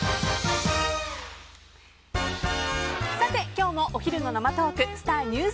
今日もお昼の生トークスター☆